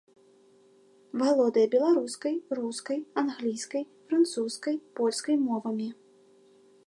Валодае беларускай, рускай, англійскай, французскай, польскай мовамі.